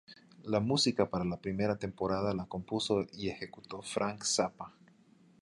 La música para la primera temporada la compuso y ejecutó Frank Zappa.